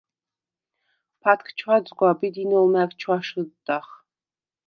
ფათქ ჩვაძგვაბ ი დინოლ მა̈გ ჩვაშჷდდახ.